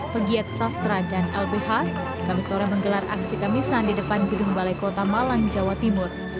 pegiat sastra dan lbh kami sore menggelar aksi kamisan di depan gedung balai kota malang jawa timur